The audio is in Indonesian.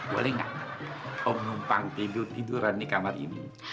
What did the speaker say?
boleh nggak om numpang tidur tiduran di kamar ini